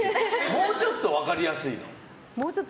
もうちょっと分かりやすいのは？